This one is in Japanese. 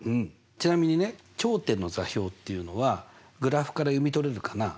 ちなみにね頂点の座標っていうのはグラフから読み取れるかな？